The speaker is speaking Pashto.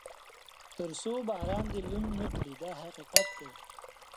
تر څو باران دې لوند نه کړي دا حقیقت دی.